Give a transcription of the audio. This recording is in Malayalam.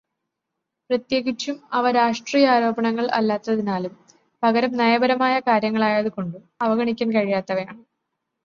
പ്രത്യേകിച്ചും അവ രാഷ്ട്രീയാരോപണങ്ങൾ അല്ലാത്തതിനാലും പകരം നയപരമായ കാര്യങ്ങളായതു കൊണ്ടും അവഗണിക്കാൻ കഴിയാത്തവയാണ്.